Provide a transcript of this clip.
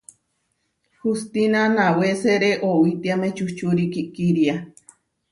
Hustína nawésere owítiame čuhčúri kiʼkiria.